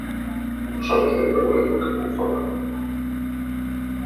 No saber treure una lloca d'un favar.